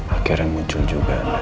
akhirnya muncul juga anda